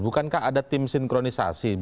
bukankah ada tim sinkronisasi